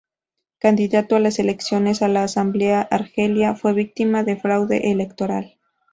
Candidato a las elecciones a la Asamblea argelina, fue víctima de fraude electoral.